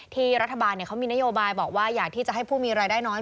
ที่รัฐบาลเขามีนโยบายบอกว่าอยากที่จะให้ผู้มีรายได้น้อย